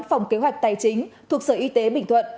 phòng kế hoạch tài chính thuộc sở y tế bình thuận